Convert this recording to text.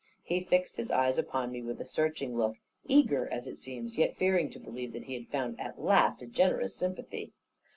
He fixed his eyes upon me, with a searching look; eager, as it seemed, yet fearing to believe that he had found at last a generous sympathy.